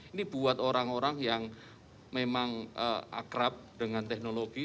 ini buat orang orang yang memang akrab dengan teknologi